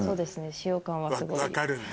使用感はすごい。